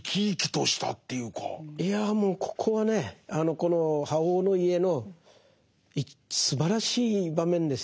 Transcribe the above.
いやもうここはねこの「覇王の家」のすばらしい場面ですよ。